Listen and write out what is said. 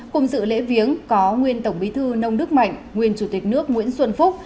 cùng dự lễ viếng có nguyên tổng bí thư nông đức mạnh nguyên chủ tịch nước nguyễn xuân phúc